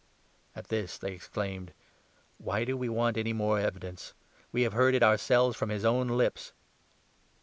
At this they exclaimed : 71 " Why do we want any more evidence ? We have heard it ourselves from his own lips